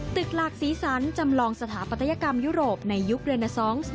หลากสีสันจำลองสถาปัตยกรรมยุโรปในยุคเรนาซองซ์